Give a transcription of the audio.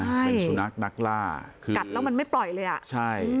ใช่เป็นสุนัขนักล่าคือกัดแล้วมันไม่ปล่อยเลยอ่ะใช่